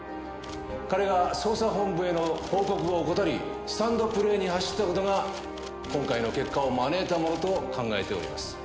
彼が捜査本部への報告を怠りスタンドプレーに走った事が今回の結果を招いたものと考えております。